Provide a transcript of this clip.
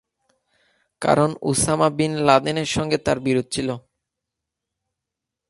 কারণ Osama bin লাদেনের সঙ্গে তার বিরোধ ছিলো।